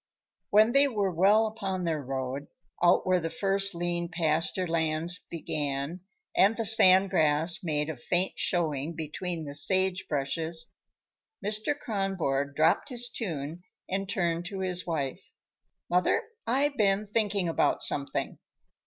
When they were well upon their road, out where the first lean pasture lands began and the sand grass made a faint showing between the sagebrushes, Mr. Kronborg dropped his tune and turned to his wife. "Mother, I've been thinking about something."